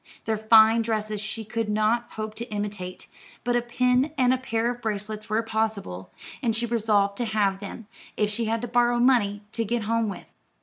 Their fine dresses she could not hope to imitate, but a pin and a pair of bracelets were possible, and she resolved to have them, if she had to borrow money to get home with.